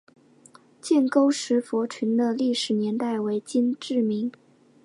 建沟石佛群的历史年代为金至明。